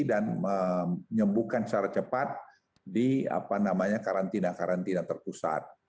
dan menyembuhkan secara cepat di karantina karantina terpusat